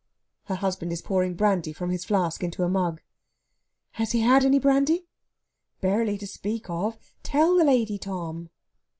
Her husband is pouring brandy from his flask into a mug. "Has he had any brandy?" "Barely to speak of. Tell the lady, Tom!"